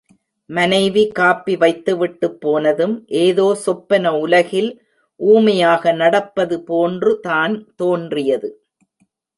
மனைவி காப்பி வைத்துவிட்டுப் போனதும், ஏதோ சொப்பன உலகில் ஊமையாக நடப்பதுபோன்று தான் தோன்றியது.